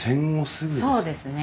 そうですね。